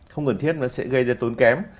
không cần thiết nó sẽ gây ra tốn kém